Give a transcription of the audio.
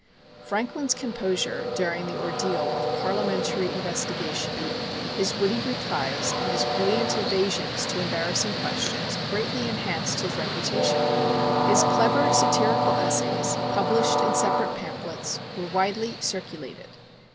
Franklin's composure during the ordeal of Parliamentary investigation, his witty replies, and his brilliant evasions to embarrassing questions greatly enhanced his reputation. His clever satirical essays, published in separate pamphlets, were widely circulated.